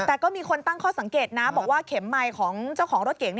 แต่ก็มีคนตั้งข้อสังเกตนะบอกว่าเข็มไมค์ของเจ้าของรถเก๋ง